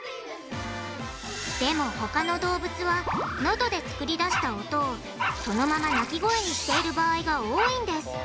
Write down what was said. でもほかの動物はノドで作り出した音をそのまま鳴き声にしている場合が多いんです。